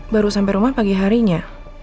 baru sampai rumah pagi harinya